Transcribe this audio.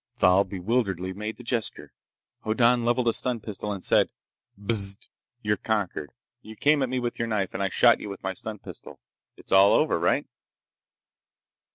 Thal bewilderedly made the gesture. Hoddan leveled a stun pistol and said: "Bzzz. You're conquered. You came at me with your knife, and I shot you with my stun pistol. It's all over. Right?"